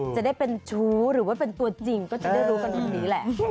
จะได้เป็นชู้หรือว่าเป็นตัวจริงก็จะได้รู้กันตรงนี้แหละ